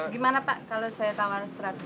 gimana pak kalau saya tambah seratus juta